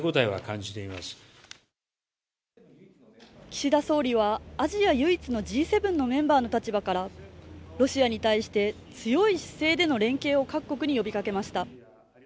岸田総理はアジア唯一のＧ７のメンバーの立場からロシアに対して強い姿勢での連携を各国に呼びかけました。